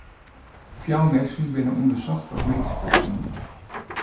Fjouwer minsken binne ûndersocht troch medysk personiel.